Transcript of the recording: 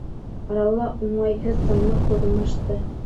Арала уңайһыҙ тынлыҡ урынлашты.